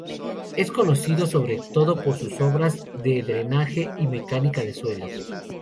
Es conocido sobre todo por sus obras de drenaje y mecánica de suelos.